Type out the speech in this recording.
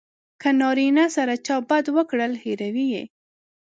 که نارینه سره چا بد وکړل هیروي یې.